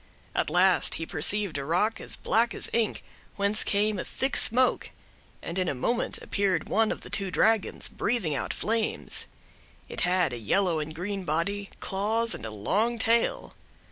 At last he perceived a rock, as black as ink, whence came a thick smoke; and in a moment appeared one of the two dragons, breathing out flames. It had a yellow and green body, claws, and a long tail.